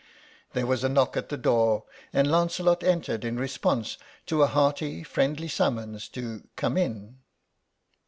There was a knock at the door, and Lancelot entered in response to a hearty friendly summons to "come in."